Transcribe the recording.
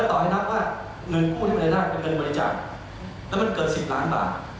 ต่อให้นับนะว่าเงินกู้เป็นรายได้